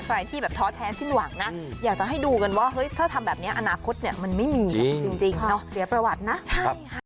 ใครที่แบบท้อแท้สิ้นหวังนะอยากจะให้ดูกันว่าเฮ้ยถ้าทำแบบนี้อนาคตเนี่ยมันไม่มีจริงเนาะเสียประวัตินะใช่ค่ะ